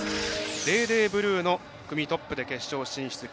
デーデーブルーノ、組トップでトップで決勝進出。